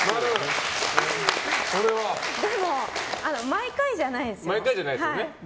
でも、毎回じゃないですね。